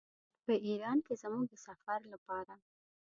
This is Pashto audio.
په ایران کې زموږ د سفر لپاره.